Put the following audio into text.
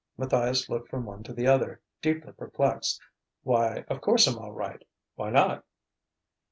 Matthias looked from one to the other, deeply perplexed. "Why, of course I'm all right. Why not?"